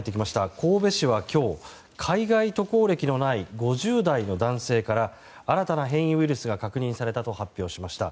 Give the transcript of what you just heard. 神戸市は今日海外渡航歴のない５０代の男性から新たな変異ウイルスが確認されたと発表しました。